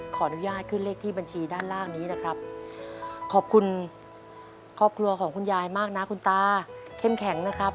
ขออนุญาตขึ้นเลขที่บัญชีด้านล่างนี้นะครับ